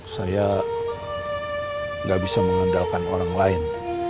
saya gak bisa mengendalkan orang lain